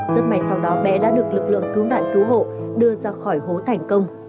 rất may sau đó bé đã được lực lượng cứu nạn cứu hộ đưa ra khỏi hố thành công